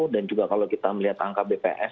dan juga kalau kita melihat angka bps